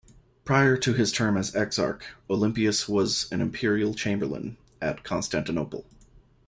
Prior to his term as exarch, Olympius was an imperial chamberlain at Constantinople.